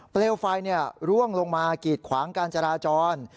เปลวไฟร่วงลงมากีดขวางการจราจร